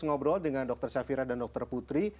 ngobrol dengan dokter syafira dan dr putri